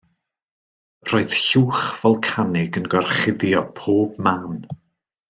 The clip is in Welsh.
Roedd llwch folcanig yn gorchuddio pob man.